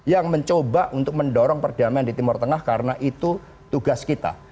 yang mencoba untuk mendorong perdamaian di timur tengah karena itu tugas kita